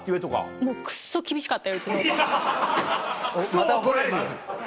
また怒られるよ。